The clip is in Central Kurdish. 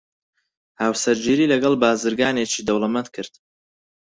هاوسەرگیریی لەگەڵ بازرگانێکی دەوڵەمەند کرد.